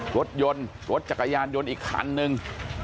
รถยนต์รถจักรยานยนต์อีกคันนึง